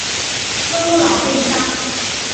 朱由榔被杀。